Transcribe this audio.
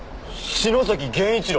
篠崎源一郎。